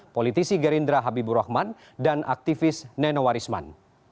politisi gerindra habibur rahman dan aktivis neno warisman